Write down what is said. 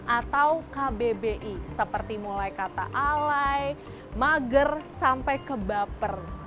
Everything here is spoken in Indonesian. atau kbbi seperti mulai kata alay mager sampai kebaper